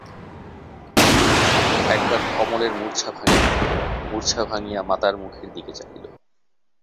একবার কমলের মূর্ছা ভাঙিল, মূর্ছা ভাঙিয়া মাতার মুখের দিকে চাহিল।